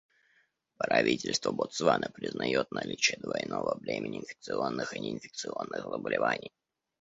Правительство Ботсваны признает наличие двойного бремени инфекционных и неинфекционных заболеваний.